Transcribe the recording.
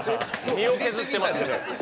身を削ってますね。